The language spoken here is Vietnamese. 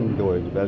và thêm tra kiểm tra